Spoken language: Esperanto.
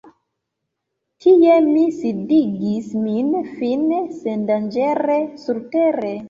Tie mi sidigis min, fine sendanĝere surtere.